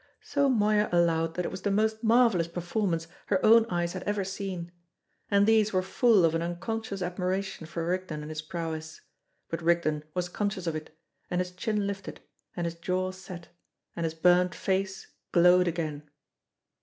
So Moya allowed that it was the most marvellous performance her own eyes had ever seen; and these were full of an unconscious admiration for Rigden and his prowess; but Rigden was conscious of it, and his chin lifted, and his jaw set, and his burnt face glowed again.